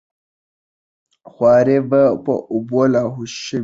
خواري یې په اوبو لاهو شوې وه.